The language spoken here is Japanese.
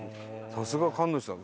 さすが神主さん